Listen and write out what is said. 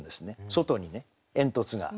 外にね煙突が。